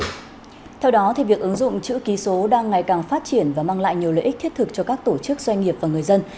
theo đó việc ứng dụng chữ ký số đang ngày càng phát triển và mang lại nhiều lợi ích thiết thực cho các tổ chức doanh nghiệp và người dân